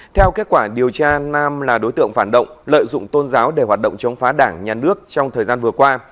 theo kết quả điều tra nam là đối tượng phản động lợi dụng tôn giáo để hoạt động chống phá đảng nhà nước trong thời gian vừa qua